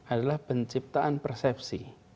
adalah penciptaan persepsi